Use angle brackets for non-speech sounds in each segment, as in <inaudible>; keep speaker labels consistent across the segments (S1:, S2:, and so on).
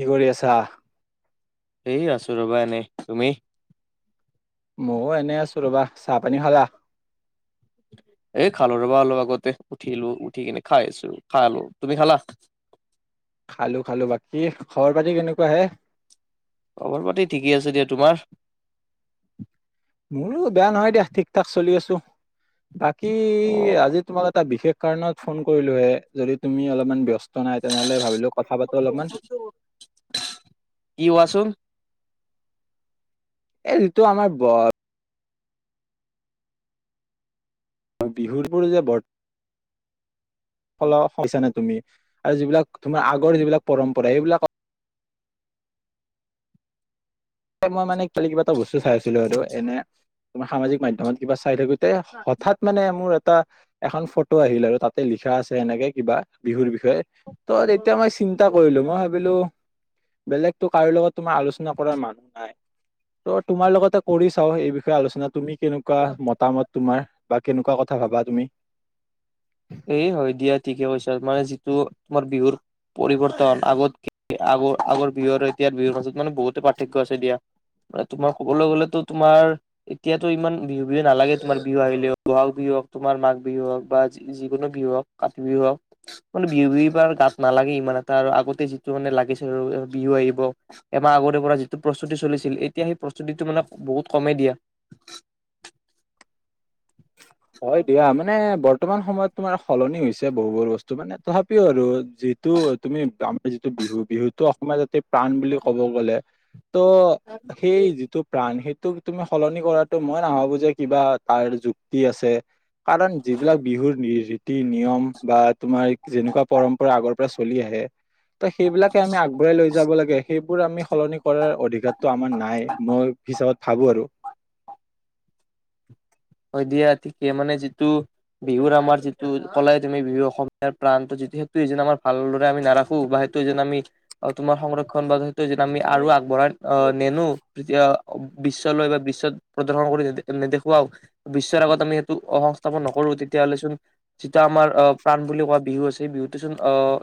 S1: কি কৰি আছা?
S2: হেৰি আছো ৰবা এনেই, তুমি?
S1: মইও এনেই আছো ৰৱা চাহ পানী খালা?
S2: এ খালো ৰবা অলপ আগতে, উঠিলো উঠি কিনে খাই আছো খালো তুমি খালা?
S1: খালো খালো বাকী খবৰ পাতি কেনেকোৱা হে?
S2: খবৰ পাতি ঠিকেই আছে দিয়া তোমাৰ?
S1: মোৰো বেয়া নহয় দিয়া, ঠিক ঠাক চলি আছো। বাকী
S2: অ
S1: আজি তোমাক এটা বিশেষ কাৰণত ফোন কৰিলো এ যদি তুমি অলপমান ব্যস্ত নাই তেনেহলে ভাবিলো কথা পাতো অলপমান
S2: কি কোৱাচোন
S1: এই ঋতু আমাক বৰ বিহুৰপুৰ যে বৰ ফলাছ <unintelligible> পাইছানে তুমি আৰু যিবিলাক তোমাৰ আগৰ যিবিলাক পৰম্পৰা সেইবিলাক এ মই মানে খালি কিবা এটা বস্তু চাই আছিলো আৰু এনে তোমাৰ সামাজিক মাধ্যমত কিবা চাই থাকো এ হঠাৎ মানে মোৰ এটা এখন ফটো আহিল আৰু তাতে লিখা আছে এনেকে কিবা বিহুৰ বি ধেত তহঁত এতিয়া মই চিন্তা কৰিলো মই ভাবিলো বেলেগতো কাৰো লগত তোমাৰ আলোচনা কৰা মানুষ নাই ত তোমাৰ লগতে কৰি চাও এই বিষয়ে আলোচনা তুমি কেনেকুৱা মতামত তোমাৰ বা কেনেকুৱা কথা ভাবা তুমি
S2: এই হয় দিয়া ঠিকে কৈছা মানে যিটো তোমাৰ বিহুৰ পৰিৱৰ্তন আগত আগ আগৰ বিহু এতিয়াৰ বিহুৰ মাজত মানে বহুতে পাৰ্থক্য আছে দিয়া ম তোমাৰ কবলৈ গলেতো তোমাৰ এতিয়াতো ইমান বিহু বিহু নালাগে তোমাৰ বিহু আহিলেও বহাগ বিহু হওক তোমাৰ মাঘ বিহু হওক বা যিকোনো বিহু হওক কাতি বিহু হওক মানে বিহু বিহু গাত নালাগে ইমান এটা আৰু আগতে যিটো মানে লাগিছিল অ অ বিহু আহিব এমাহ আগৰে পৰা যিটো প্ৰস্তুতি চলিছিল এতিয়া সেই প্ৰস্তুতিটো মানে বহুত কমেই দিয়া
S1: হয় দিয়া মানে বৰ বৰ্তমান সময়ত তোমাৰ সলনি হৈছে বহুবোৰ বস্তু মানে তথাপিও আৰু যিটো তুমি আমাৰ যিটো বিহু বিহুটো অসমত গ প্ৰাণ বুলি ক'ব গ'লে ত' সেই যিটো প্ৰাণ সেইটো তুমি সলনি কৰাটো মই নাভাবো যে কিবা তাৰ যুগ আছে কাৰণ যিবিলাক বিহুৰ ৰীতি নিয়ম বা তোমাৰ যেনেকুৱা পৰম্পৰা আগৰ পৰা চলি আহে ত সেইবিলাকে আমি আগবঢ়াই লৈ যাব লাগে সেইবোৰ আমি সলনি কৰাৰ অধিকাৰটো আমাৰ নাই মই হিচাপ ভাবো আৰু।
S2: হয় দিয়া ঠিকে মানে যিটো বিহুৰ আমাৰ যিটো কলাই তুমি বিহু অসমীয়াৰ প্ৰান যিটো সেইটোৱে যে আমাৰ ভালদৰে আমি নাৰাখো বা সেইটো যেন আমি তোমাৰ সংৰক্ষন বা সেইটো যে আমি আৰু আগবঢ়াই আহ নেনো বিশ্ব লৈ বা বিশ্বত প্ৰদৰ্শন কৰি নেদেখুওৱা বিশ্বৰ আগত আমি সেইটো সংস্থাপন নকৰো তেতিয়াহ'লে চোন যিটো আমাৰ আহ প্ৰাণ বুলি কোৱা বিহু আছে বিহুটো চোন আহ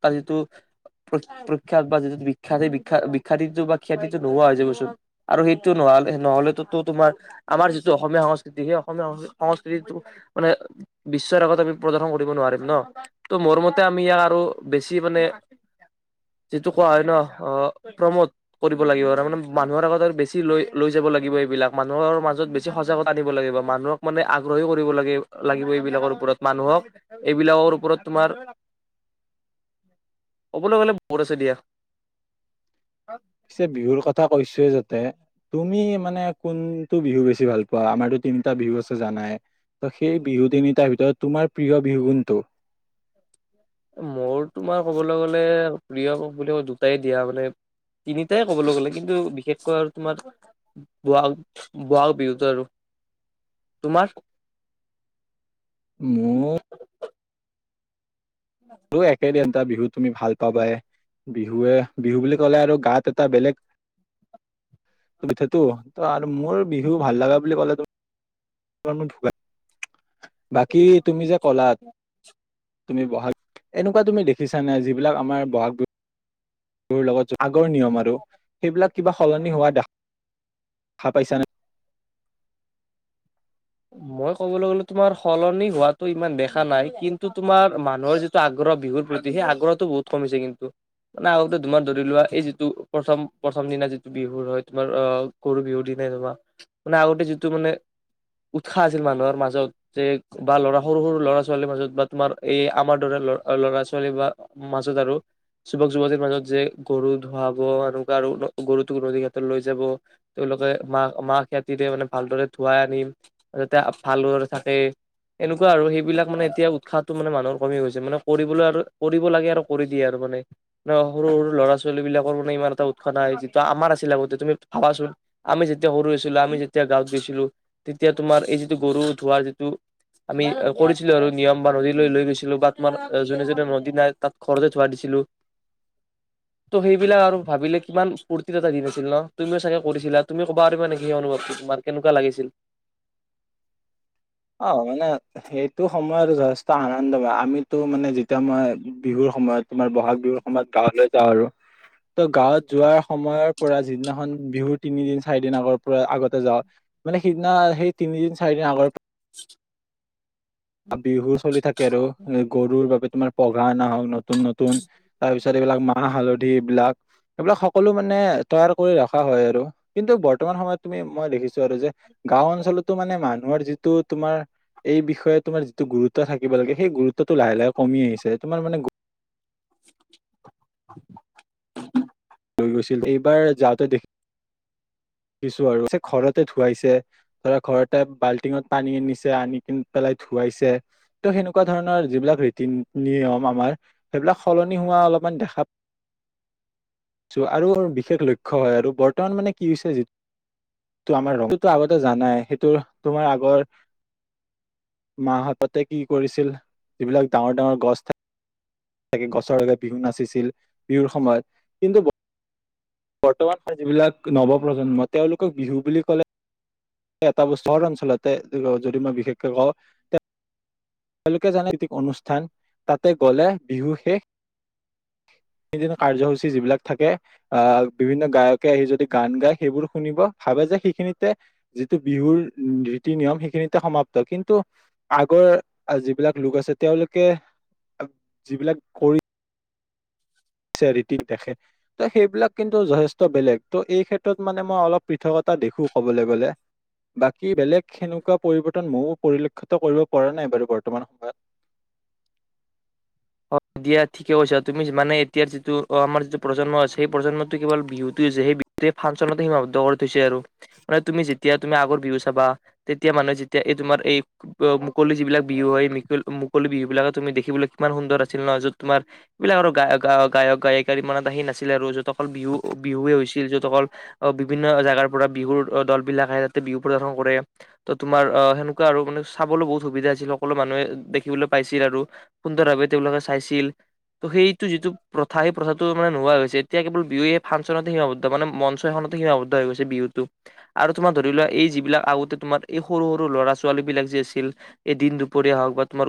S2: তাৰ যিটো প্ৰখ্যাত বা যিটো বিখ্যাত সেই বিখ্যাত বিখ্যাতিটো বা খ্যাতিটো নোহোৱা হৈ যাবচোন আৰু সেইটো নহ নহলে তোমাৰ আমাৰ যিটো অসমীয়া সংস্কৃতি সেই অসমীয়া সংস্কৃতিটো মানে বিশ্বৰ আগত আমি প্ৰদৰ্শন কৰিব নোৱাৰিম ন ত মোৰ মতে আমি ইয়াক আৰু বেছি মানে যিটো কোৱা হয় ন অ প্ৰমোট কৰিব লাগিব আৰু মানে মানুহৰ আগত আৰু বেছি লৈ লৈ যাব লাগিব এইবিলাক মানুহৰ মাজত বেছি সজাগতা নিব লাগিব মানুহক মানে আগ্ৰহী কৰিব লাগ লাগিব এইবিলাকৰ ওপৰত মানুহক এইবিলাকৰ ওপৰত তোমাৰ ক'বলৈ গ'লে বহুত আছে দিয়া।
S1: পিছে বিহুৰ কথা কৈছোয়ে যা তুমি মানে কোনটো বিহু বেছি ভাল পোৱা আমাৰতো তিনটা বিহু আছে জানাই। ত' সেই বিহু তিনিটাৰ ভিতৰত তোমাৰ প্ৰিয় বিহুকোণটো
S2: মোৰ তোমাৰ ক'বলৈ গ'লে প্ৰিয়কক বোলে দুটাই দিয়া মানে তিনিটাই কবলৈ গ'লে কিন্তু বিশেষকৈ আৰু তোমাৰ বোৱা বোৱা বিহুতে আৰু তোমাৰ?
S1: মোৰ মোৰো একে দিয়া। এটা বিহু তুমি ভাল পাবাই বিহুৱে বিহু বুলি ক'লে আৰু গাত এটা বেলেগ পিঠটো আৰু মোৰ বিহু ভাল লগা বুলি ক'লে <unintelligible> বাকি তুমি যে ক'লা তুমি বহাগ এনেকুৱা তুমি দেখিছা নাই যিবিলাক আমাৰ বহাগ বিহু তোৰ লগত আগ ৰ নিয়ম আৰু সেইবিলাক কিবা সলনি হোৱা দেখা খা পাইছা নাই?
S2: মই কবলৈ গলে তোমাৰ সলনি হোৱাটো ইমান দেখা নাই, কিন্তু তোমাৰ মানুহৰ যিটো আগ্ৰহ বিহুৰ প্ৰতি সেই আগ্ৰহটো বহুত কমিছে কিন্তু মানে আগতে তোমাৰ ধৰি লোৱা এই যিটো প্ৰথম প্ৰথম দিনা যিটো বিহুৰ হয় তোমাৰ আহ গৰু বিহুৰ দিনাই তোমাৰ মানে আগতে যিটো মানে উৎসাহ আছিল মানুহৰ মাজত যে বা ল'ৰা সৰু সৰু লৰা ছোৱালীৰ মাজত বা তোমাৰ এই আমাৰ দৰে ল'ৰা ছোৱালী বা মাজত আৰু যুৱক যুৱতীৰ মাজত যে গৰু ধুৱাব মানুহ আৰু গৰুটোক নদীৰ ঘাটত লৈ যাব তেওঁলোকে মাহ মাহ হালধিৰে মানে ভালদৰে ধুৱাই আনি যাতে ভালদৰে থাকে এনেকুৱা আৰু সেইবিলাক মানে এতিয়া উৎসাহটো মানে মানুহৰ কমি গৈছে মানে কৰিবলৈ আৰু কৰিব লাগে আৰু কৰি দিয়ে আৰু মানে সৰু সৰু ল'ৰা ছোৱালী বিলাকৰ মানে ইমান এটা উৎসাহ নাই যিটো আমাৰ আছিলে আগতে তুমি ভাবাচোন আমি যেতিয়া সৰু আছিলো আমি যেতিয়া গাঁৱত গৈছিলো তেতিয়া তোমাৰ এই যিটো গৰু ধোৱাৰ যিটো আমি কৰিছিলো আৰু নিয়ম বা নদীলৈ লৈ গৈছিলো বা তোমাৰ যোনে যোনে নদী নাই তাত ঘৰতে ধোৱাই দিছিলো ত' সেইবিলাক আৰু ভাবিলে কিমান ফূৰ্তিৰ এটা দিন আছিল ন? তুমিও চাগে কৰিছিলা তুমি ক'বা পাৰিবা নেকি? সেই অনুভৱটো তোমাৰ কেনেকুৱা লাগিছিল?
S1: অ মানে সেইটো সময়ত যথেষ্ট আনন্দময় আমিতো মানে যেতিয়া মই বিহুৰ সময়ত তোমাৰ বহাগ বিহুৰ সময়ত গাঁৱলৈ যাওঁ আৰু ত' গাঁৱত যোৱাৰ সময়ৰ পৰা যিদিনাখন বিহুত তিনিদিন চাৰি দিন আগৰ পৰা আগতে যাওঁ মানে সিদিনা সেই তিনিদিন চাৰি দিন আগৰ বিহু চলি থাকে আৰু গৰুৰ বাবে তোমাৰ পঘা নহওক ন নতুন নতুন তাৰপিছত এইবিলাক মাহ হালধি এইবিলাক এইবিলাক সকলো মানে তৈয়াৰ কৰি ৰখা হয় আৰু কিন্তু বৰ্তমান সময়ত তুমি মই দেখিছো আৰু যে গাঁও অঞ্চলতো মানে মানুহ তোমাৰ যিটো তোমাৰ এই বিষয়ত তোমাৰ যিটো গুৰুত্ব থাকিব লাগে সেই গুৰুত্বটো লাহে লাহে কমি আহিছে তোমাৰ মানে
S2: <inaudible>
S1: লৈ গৈছিল এইবাৰ যাওঁতে দেখি কিছু আৰু ঘৰতে ধুৱাইছে ধৰা ঘৰতে বাল্টিঙত পানী আনিছে আনি ক পেলাই ধুৱাইছে ত সেনেকুৱা ধৰণৰ যিবিলাক ৰীতি নিয়ম আমাৰ সেইবিলাক সলনি হোৱা অলপমান দেখা পাইছোঁ আৰু বিশেষ লক্ষ্য় হয় আৰু বৰ্তমান মানে কি হৈছে যি আমাৰ আগতে জানাই সেইটো তোমাৰ আগৰ মাহাহততে কি কৰিছিল যিবিলাক ডাঙৰ ডাঙৰ গছ থা কে গছৰ লগে বিহু নাচিছিল বিহুৰ সময়ত, কিন্তু বৰ্তমান যিবিলাক নৱ প্ৰজন্মত তেওঁলোকক বিহু বুলি ক'লে এটা ব চহৰ অঞ্চলতে যদি মই বিশেষকৈ কওঁ তেওঁলোকে জানে কৃতিক অনুষ্ঠান, তাতে গলে বিহু শেষ সিদিনা কাৰ্য্যসূচী যিবিলাক থাকে আহ বিভিন্ন গায়কে আহি যদি গান গায় সেইবোৰ শুনিব, ভাবে যে সেইখিনিতে যিটো বিহুৰ নিতি নিয়ম সেইখিনিতে সমাপ্ত কিন্তু আগৰ যিবিলাক লোক আছে তেওঁলোকে যিবিলাক কৰি চেৰিটি দেখে, ত' সেইবিলাক কিন্তু যথেষ্ট বেলেগ ত' এই ক্ষেত্ৰত মানে মই অলপ পৃথকতা দেখো কবলৈ গলে বাকী বেলেগ সেনেকুৱা পৰিৱৰ্তন ময়ো পৰিলক্ষিত ষত কৰিব পৰা নাই বাৰু বৰ্তমান সময়ত।
S2: দিয়া ঠিকে কৈছা তুমি মানে এতিয়া যিটো অ আমাৰ যিটো প্ৰজন্ম আছে সেই প্ৰজন্মতটো কেৱল বিহুত হৈছে সেই বিহু ফাংচনতে সীমাৱদ্ধ কৰি থৈছে আৰু, মানে তুমি যেতিয়া তুমি আগৰ বিহু চাবা তেতিয়া মানুহে যেতিয়া এই তোমাৰ এই মুকলি যিবিলাক বিহু হয় এই মিক'ল মুকলি বিহু বিলাকে তুমি দেখিবলৈ কিমান সুন্দৰ আছে আ নহ, য'ত তোমাৰ এইবিলাক আৰু গায় গায় গায়ক গায়িক ইমানত আহি নাছিলে আৰু, যতসকল বিহু বিহুৱে হৈছিল, যত অকল অ বিভিন্ন জোগাৰ পৰা বিহুৰ দল বিলাক আহে তাতে বিহু প্ৰদৰ্শন কৰে, ত তোমাৰ আহ সেনেকুৱা আৰু মানে চাবলৈ বহুত সুবিধা আছিল, সকলো মানুহে দেখিবলৈ পাইছিল আৰু সুন্দৰ ভাৱে তেওঁলোকে চাইছিল, ত সেইটো যিটো প্ৰথা সেই প্ৰথাটো মানে নোহোৱাৈ হৈছে, এতিয়া কেৱল বিহু ফাংচনত সীমাবদ্ধ, মানে মঞ্চ এখনতে সীমাবদ্ধ হৈ গৈছে বিহুতটো আৰু তোমাৰ ধৰি লোৱা এই যিবিলাক আগতে তোমাৰ এই সৰু সৰু ল'ৰা ছোৱালী বিলাক যি আছিল এই দিন দুপৰীয়া হওক বা তোমাৰ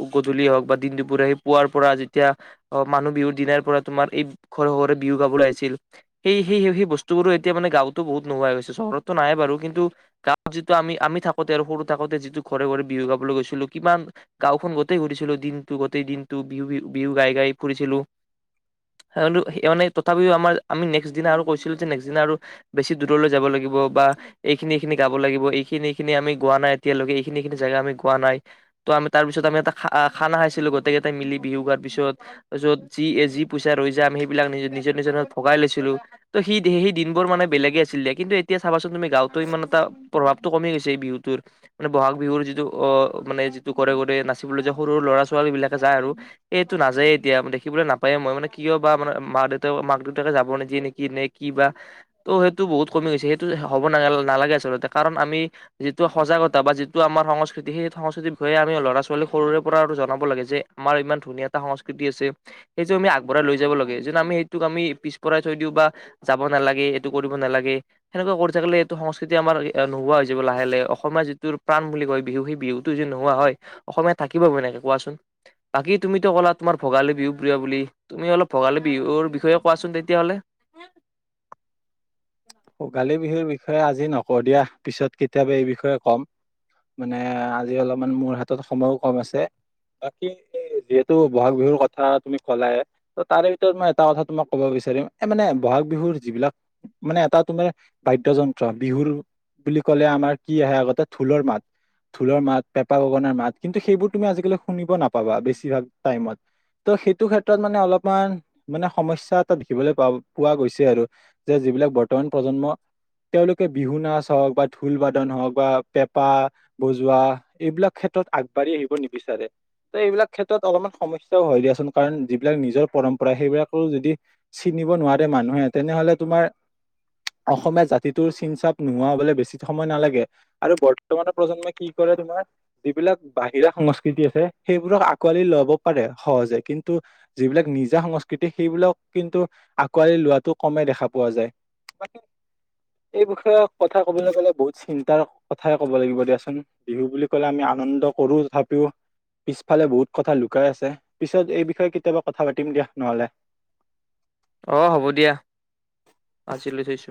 S2: অ গধূলিয় হওক বা দিন দূ বুঢ়া আহী পোৱাৰ পৰা যেতিয়া অ মানুহ বিহুৰ দিনাৰ পৰা তোমাৰ এই ঘৰে ঘৰে বিহু গাবলৈ আহিছিল, সেই সেই স সেই বস্তু বোৰো এতিয়া মানে গাঁওতো বহুত নোহোৱা হৈ গৈছে, চহৰতটো নাই বাৰু কিন্তু গাঁৱ যিটো আমি আমি থাকোতে আৰু সৰু থাকোতে যিটো ঘৰে ঘৰে বিহু গাবলৈ গৈছিলো কিমান গাওখন গোতেই ঘূৰিছিলো দিন গোটে'ই দিনটো বিহু, বিহু গাই, গাই ফুৰিছিলো। মানে, তথাপিও আমাৰ আমি নেক্স দিনা আৰু কৈছিলো, যে' নেক্স দিনা আৰু বেছি দূৰলৈ যাব লাগিব। বা' এইখিনি, এইখিনি গাব লাগিব, এইখিনি আমি গোৱা নাই এতিয়ালৈকে, এইখিনি, এইখিনি জেগা আমি গোৱা নাই। ত' আমি তাৰ পিছত আমি এটা খানা খাইছো গোটকেই টাই মিলি বিহু গোৱাৰ পিছত, য'ত যি, যি পইচা ৰৈ যায়, আমি সেইবিলাক নি, নিজৰ, নিজৰ ভগাই লৈছিলো। ত' সি সেই দিন বোৰ মানে বেলেগে আছিলে। কিন্তু এতিয়া চাবাচোন তুমি গাওঁ'তো ইমান এটা প্ৰভাৱটো কমি গৈছে। এই বিহুতোৰ মানে, বহাগ বিহুৰ যিটো অত মানে, যিটো কৰে নাচিবলৈ যে সৰু, সৰু ল'ৰা-ছোৱালী- ছোৱালী বিলাকে যায়। আৰু সেইটো নাযায়ে, এতিয়া দেখিবলৈ নাপায়। মই মানে, কিয় বা' মানে মা দেউতা, মাক দেউতাকে যাব নেকি, নেকি, নে কি বা ত' সেইটো বহুত কমি গৈছে। সেইটো হব নালাগে আচলতে কাৰণ আমি যিটো সজাগতা বা' যিটো আমাৰ সংস্কৃতি সেই সংস্কৃতিৰ বিষয়ে আমি ল'ৰা-ছোৱালী সৰুৰে পৰা জনাব জনাব লাগে যে' আমাৰ ইমান ধুনীয়া এটা সংস্কৃতি আছে, সেইটো আমি আগবঢ়াই লৈ যাব লাগে। যেনে, আমি সেইটোক আমি পিছ পৰাই থৈ দিওঁ বা' যাব নালাগে, এইটো কৰিব নালাগে। সেনেকোৱা কৰি থাকি'লে এইটো সংস্কৃতি আমাৰ নোহোৱা হৈ যাব, লাহে, লাহে। অসমীয়া যিটো প্ৰাণ বুলি কয়, বিহু সেই বিহুতো যে নোহোৱা হয়। অসমীয়া থাকিব কেনেকৈ কোৱাচোন। বাকী, তুমি টো কলা তোমাৰ ভোগালী বিহু প্ৰিয়' বুলি। তুমি অলপ ভোগালী বিহুৰ বিষয়ে কোৱাচোন তেতিয়াহলে?
S1: ভোগালি বিহুৰ বিষয়ে আজি নকওঁ দিয়া, পিছত কেতিয়া'বা এই বিষয়ে ক'ম। মানে আজি অলপমান মোৰ হাত'ত সময়ো কম আছে। বাকী, যিহেতু বহাগ বিহুৰ কথা তুমি ক'লাই ত' তাৰে ভিতৰত মই এটা কথা তোমাক ক'ব বিচাৰিম, এ'ই মানে, বহাগ বিহুৰ যিবিলাক মানে, এটা তুমাৰ বাদ্য যন্ত্ৰ, বিহুৰ বুলি ক'লে আমাৰ কি' আহে আগতে ঢোলৰ মাত, ঢোলৰ মাত, পেঁপা, গগনাৰ মাত, কিন্তু, সেইবোৰ তুমি আজিকালি শুনিব নাপা'বা। বেছিভাগ টাইমত ত' সেইটো ক্ষেত্ৰত মানে অলপমান মানে সমস্যা এটা দেখিবলৈ পোৱা গৈছে। আৰু যে যিবিলাক বৰ্তমান প্ৰজন্ম, তেওঁলোকে বিহু নাচ হওঁক, বা' ঢোল বাদন হওঁক, বা' পেঁপা বজোৱা এইবিলাক ক্ষেত্ৰত আগবাঢ়ি আহিব নিবিচাৰে। ত' এইবিলাক ক্ষেত্ৰত অলপমান সমস্যাও হয়, গৈ দিয়াচোন। কাৰণ, যিবিলাক নিজৰ পৰম্পৰা সেইবিলাকো যদি চিনিব নোৱাৰে মানুহে তেনে'হলে তোমাৰ অসমীয়া জাতিটোৰ চিন, চাপ নোহোৱা হবলে বেছি সময় নালাগে। আৰু, বৰ্তমানৰ প্ৰজন্মই কি কৰে তোমাৰ, যিবিলাক বাহিৰা সংস্কৃতি আছে, সেইবোৰক আঁকোৱালি ল'ব পাৰে সহজে। কিন্তু, যিবিলাক নিজা সংস্কৃতি, সেইবিলাক কিন্তু, আকোৱালি লোৱাটো কমেই দেখা পোৱা যায়। এই বিষয়ে কথা কবলৈ গ'লে বহুত চিন্তাৰ কথাই ক'ব লাগিব দিয়াচোন। বিহু বুলি ক'লে আমি আনন্দ কৰো, তথাপিও পিছফালে বহুত কথা লুকাই আছে। পিছত এই বিষয়ে কেতিয়া বা' কথা পাতিম দিয়া। নহ'লে।
S2: অঁ হ'ব দিয়া। আজিলৈ থৈছো।